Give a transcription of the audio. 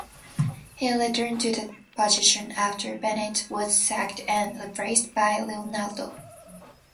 He returned to that position after Benitez was sacked and replaced by Leonardo.